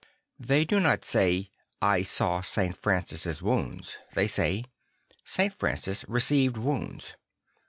They do not say, II I saw St. Francis's wounds"; they say, II St. Francis received wounds."